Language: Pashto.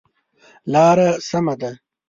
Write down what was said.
لاره سمه ده؟